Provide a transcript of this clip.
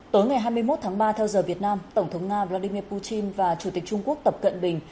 tối ngày hai mươi một tháng ba theo giờ việt nam tổng thống nga vladimir putin và chủ tịch trung quốc tập cận bình